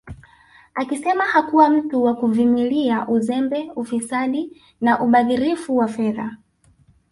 Akisema hakuwa mtu wa kuvimilia uzembe ufisadi na ubadhirifu wa fedha